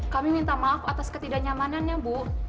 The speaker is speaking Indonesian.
kami minta maaf atas ketidaknyamanannya bu